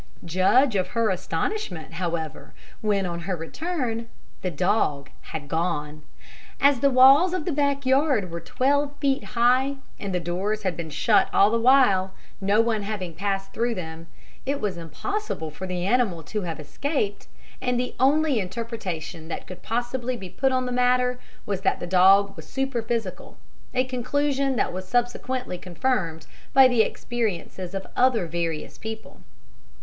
Judge of her astonishment, however, when, on her return, the dog had gone. As the walls of the back yard were twelve feet high, and the doors had been shut all the while no one having passed through them it was impossible for the animal to have escaped, and the only interpretation that could possibly be put on the matter was that the dog was superphysical a conclusion that was subsequently confirmed by the experiences of various other people.